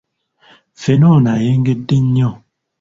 Ffene ono ayengedde nnyo.